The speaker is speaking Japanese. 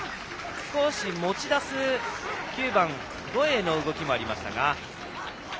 少し持ち出す９番、土永の動きもありました。